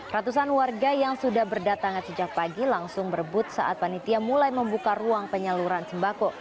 ratusan warga yang sudah berdatangan sejak pagi langsung berebut saat panitia mulai membuka ruang penyaluran sembako